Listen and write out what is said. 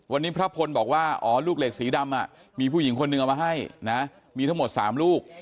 วันนี้พระพลบอกว่าอ๋อลูกเหล็กสีดำมีผู้หญิงคนหนึ่งเอามาให้นะมีทั้งหมด๓ลูก